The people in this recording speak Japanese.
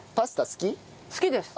好きです。